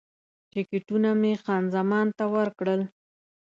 ټکټونه مې خان زمان ته ورکړل.